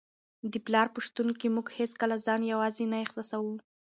د پلار په شتون کي موږ هیڅکله ځان یوازې نه احساسوو.